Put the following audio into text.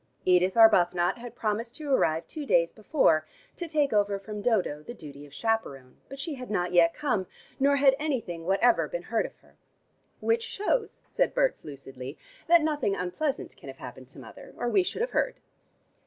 Edith Arbuthnot had promised to arrive two days before, to take over from Dodo the duty of chaperone, but she had not yet come, nor had anything whatever been heard of her. "Which shows," said Berts lucidly, "that nothing unpleasant can have happened to mother, or we should have heard."